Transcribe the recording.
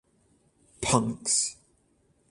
Punks!